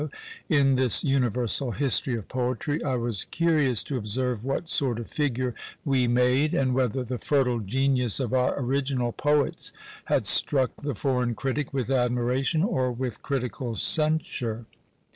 In this universal history of poetry, I was curious to observe what sort of figure we made, and whether the fertile genius of our original poets had struck the foreign critic with admiration or with critical censure.